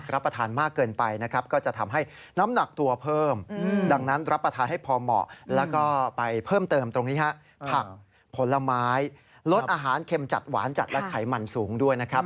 รสอาหารเข็มจัดหวานจัดและไขมันสูงด้วยนะครับ